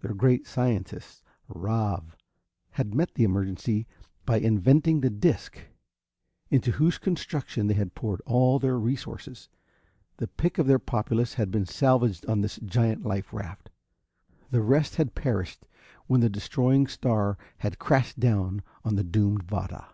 Their great scientist, Ravv, had met the emergency by inventing the disc, into whose construction they had poured all their resources. The pick of their populace had been salvaged on this giant life raft. The rest had perished when that destroying star had crashed down on the doomed Vada.